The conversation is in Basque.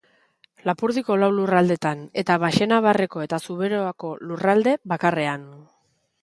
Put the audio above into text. Lapurdiko lau lurraldetan, eta Baxenabarreko eta Zuberoako lurralde bakarrean.